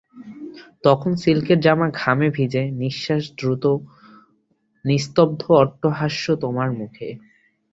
তখন সিল্কের জামা ঘামে ভিজে, নিশ্বাস দ্রুত, নিস্তব্ধ অট্টহাস্য তোমার মুখে।